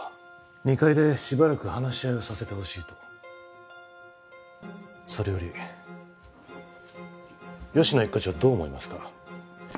２階でしばらく話し合いをさせてほしいとそれより吉乃一課長はどう思いますか？